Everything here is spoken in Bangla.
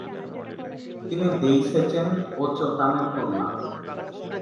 তিনি দেই-সেচেন ও চোতানের কন্যা।